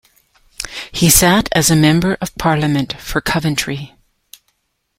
He sat as Member of Parliament for Coventry.